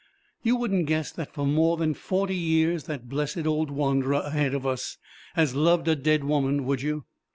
You wouldn't guess that for more than forty years that blessed old wanderer ahead of us has loved a dead woman, would you?